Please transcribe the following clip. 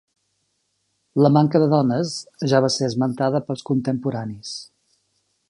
La manca de dones ja va ser esmentada pels contemporanis.